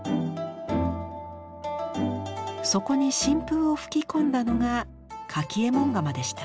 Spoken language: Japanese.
そこに新風を吹き込んだのが柿右衛門窯でした。